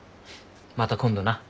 また今度な。